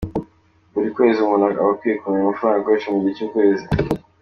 Buri kwezi umuntu aba akwiye kumenya amafaranga akoresha mu gihe cy’ukwezi.